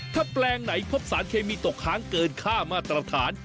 ถ้าแปลงไหนพบสารเคมีตกค้างเกินค่ามาตรฐาน